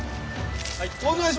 はい。